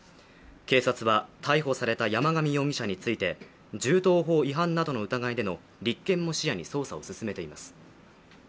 警察は、逮捕された山上容疑者について銃刀法違反などの疑いでの立件も視野に捜査を進めています。